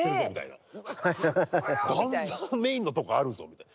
ダンサーメインのとこあるぞみたいな。